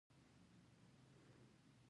د نورستان په کامدیش کې د قیمتي ډبرو نښې دي.